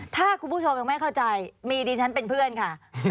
ถ้าคุณผู้ชมยังไม่เข้าใจมีดิฉันเป็นเพื่อนค่ะ